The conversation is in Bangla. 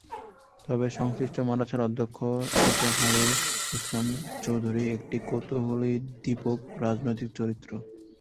তবে সংশ্লিষ্ট মাদ্রাসার অধ্যক্ষ ইজাহারুল ইসলাম চৌধুরী একটি কৌতূহলোদ্দীপক রাজনৈতিক চরিত্র।